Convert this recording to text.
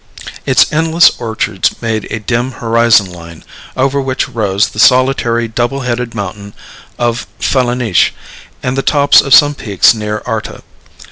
Its endless orchards made a dim horizon line, over which rose the solitary double headed mountain of Felaniche, and the tops of some peaks near Arta.